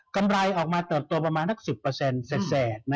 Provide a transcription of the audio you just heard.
กำไรออกมาเติบโตประมาณ๑๐เสร็จ